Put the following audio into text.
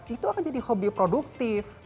itu akan jadi hobi produktif